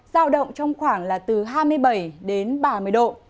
giao động trong khoảng là từ hai mươi bảy đến ba mươi độ